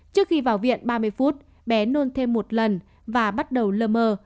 trước khi vào viện ba mươi phút bé nôn thêm một lần và bắt đầu lơ mơ